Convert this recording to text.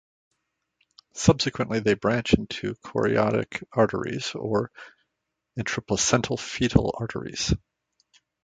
Subsequently, they branch into chorionic arteries or "intraplacental fetal arteries".